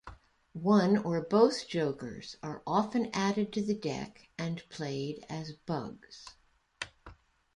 One or both jokers are often added to the deck and played as bugs.